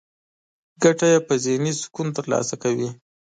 ګټه يې په ذهني سکون ترلاسه کوي.